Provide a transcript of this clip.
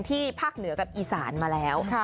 ภาคเหนือกับอีสานมาแล้ว